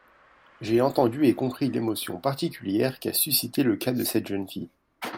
J’ai entendu et compris l’émotion particulière qu’a suscitée le cas de cette jeune fille.